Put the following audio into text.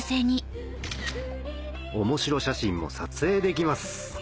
面白写真も撮影できます